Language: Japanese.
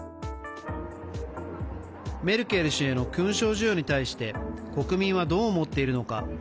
メルケル氏への勲章授与に対して国民はどう思っているのか。